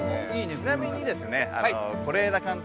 ちなみにですね是枝監督。